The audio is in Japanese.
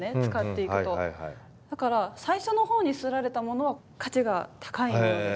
だから最初のほうに摺られたものは価値が高いものです。